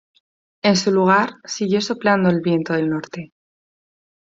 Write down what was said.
En su lugar siguió soplando viento del norte.